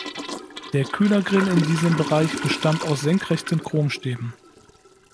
Der Kühlergrill in diesem Bereich bestand aus senkrechten Chromstäben.